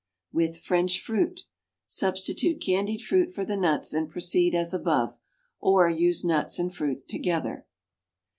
=With French Fruit.= Substitute candied fruit for the nuts and proceed as above, or use nuts and fruit together.